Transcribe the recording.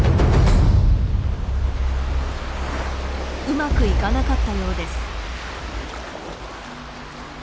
うまくいかなかったようです。